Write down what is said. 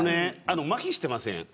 まひしてません。